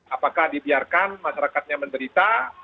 apakah dibiarkan masyarakatnya menderita